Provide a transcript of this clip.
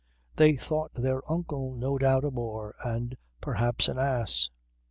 They thought their uncle no doubt a bore and perhaps an ass.